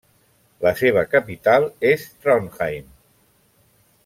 La seva capital és Trondheim.